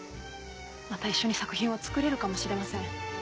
また一緒に作品を作れるかもしれません。